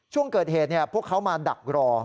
ช่วงเกิดเหตุพวกเขามาดักรอ